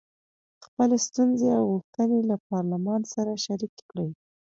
خپلې ستونزې او غوښتنې له پارلمان سره شریکې کړي.